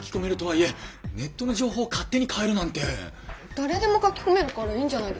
誰でも書き込めるからいいんじゃないですか？